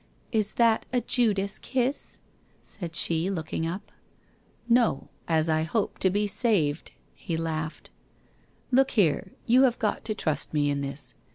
' Is that a Judas kiss? ' said she looking up. ' No. As I hope to be saved !' He laughed. ' Look here, you have got to trust me in this.